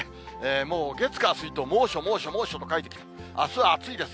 もう月、火、水と、猛暑、猛暑、猛暑と書いて、あすは暑いです。